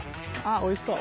おいしそう。